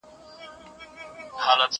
زه اوس درسونه اورم